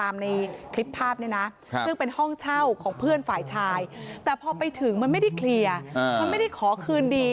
มันไม่ได้ขอคืนดี